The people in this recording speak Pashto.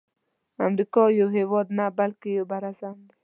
امریکا یو هیواد نه بلکی یو بر اعظم دی.